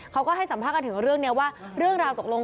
พักกันถึงเรื่องเนี่ยว่าเรื่องราวตกลง